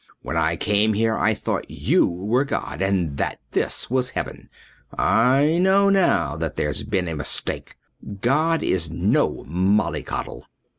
When I came here I thought you were God and that this was Heaven. I know now that there's been a mistake. God is no mollycoddle."